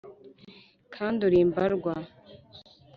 kandi uri imbarwa,